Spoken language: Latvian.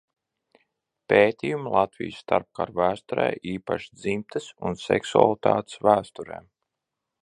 Pētījumi Latvijas starpkaru vēsturē, īpaši dzimtes un seksualitātes vēsturē.